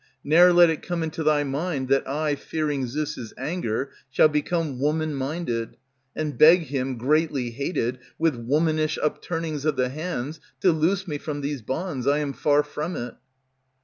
Ne'er let it come into thy mind that I, fearing Zeus' anger, shall become woman minded, And beg him, greatly hated, With womanish upturnings of the hands, To loose me from these bonds. I am far from it.